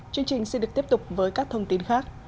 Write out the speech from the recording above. chương trình xin được tiếp tục với các thông tin khác